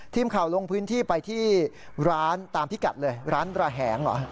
ทีมข่าวลงพื้นที่ไปที่ร้านตามพิกัดเลยร้านระแหงเหรอ